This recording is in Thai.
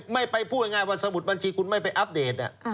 ไม่ไปพูดง่ายว่าสมุดบัญชีคุณไม่ไปอัปเดต